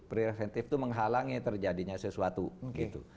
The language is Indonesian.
preventif itu menghalangi terjadinya sesuatu gitu